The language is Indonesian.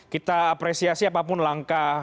kita apresiasi apapun langkah